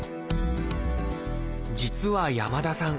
実は山田さん